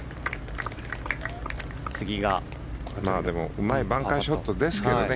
うまいバンカーショットですけどね。